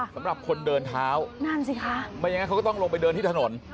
สำหรับคนเดินเท้านั่นสิคะไม่อย่างนั้นเขาก็ต้องลงไปเดินที่ถนน